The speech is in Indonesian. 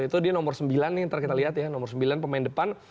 itu dia nomor sembilan nih nanti kita lihat ya nomor sembilan pemain depan